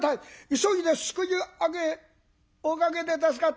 急いですくい上げ「おかげで助かった。